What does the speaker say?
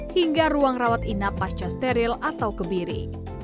hingga ruang rawat inap pasca steril atau kebiri